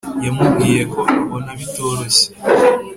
yamubwiye ko abona bitoroshye